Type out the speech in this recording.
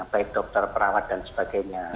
baik dokter perawat dan sebagainya